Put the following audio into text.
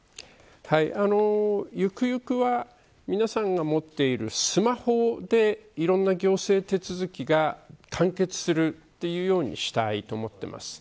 ゆくゆくは皆さんが持っているスマホで、いろんな行政手続きが完結するというようにしたいと思っています。